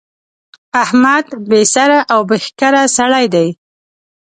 احمد بې سره او بې ښکره سړی دی.